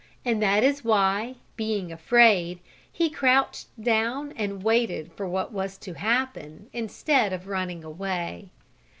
And that is why, being afraid, he crouched down, and waited for what was to happen, instead of running away.